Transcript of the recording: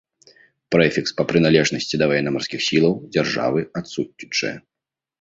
Прэфікс па прыналежнасці да ваенна-марскіх сілаў дзяржавы адсутнічае.